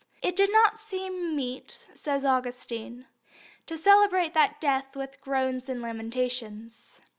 "It did not seem meet," says Augustine, "to celebrate that death with groans and lamentations.